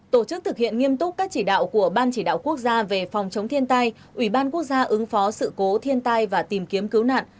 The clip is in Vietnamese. tổ chức thực hiện nghiêm túc các chỉ đạo của ban chỉ đạo quốc gia về phòng chống thiên tai ủy ban quốc gia ứng phó sự cố thiên tai và tìm kiếm cứu nạn